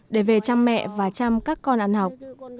để về chăm mẹ và chăm các con ăn học